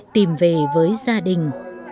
tìm về với gia đình